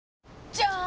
じゃーん！